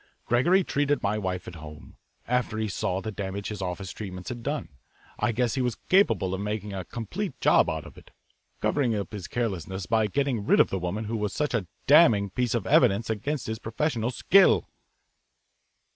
Gregory treated my wife at home, after he saw the damage his office treatments had done. I guess he was capable of making a complete job out of it covering up his carelessness by getting rid of the woman who was such a damning piece of evidence against his professional skill."